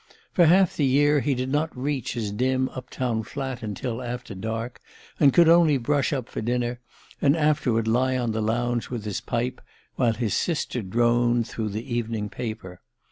For half the year he did not reach his dim up town flat till after dark, and could only "brush up" for dinner, and afterward lie on the lounge with his pipe, while his sister droned through the evening paper.